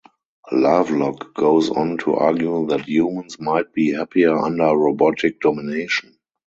Lovelock goes on to argue that humans might be happier under robotic domination.